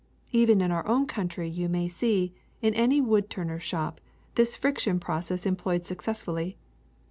"Even in our o\\m country you may see, in any wood turner's shop, this friction process employed successfully.